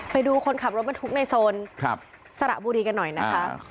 ไปดูคนขับรถบรรทุกในโซนสระบุรีกันหน่อยนะคะ